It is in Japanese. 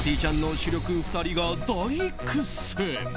主力２人が大苦戦。